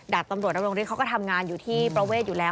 ดับตำรวจตรงริฐเขาก็ทำงานอยู่ที่ประเวทอยู่แล้ว